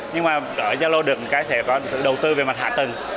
nhưng mà ở yalo được một cái sẽ có sự đầu tư về mặt hạ tầng